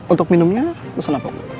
untuk minumnya pesan apa bu